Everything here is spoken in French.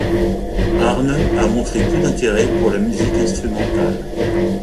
Arne a montré peu d'intérêt pour la musique instrumentale.